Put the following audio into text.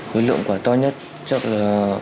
với lượng quả to nhất chắc là